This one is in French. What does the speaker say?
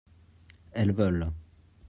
elles veulent.